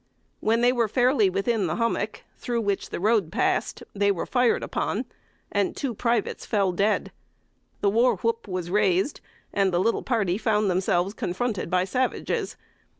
When they were fairly within the hommock, through which the road passed, they were fired upon, and two privates fell dead. The war whoop was raised, and the little party found themselves confronted by savages.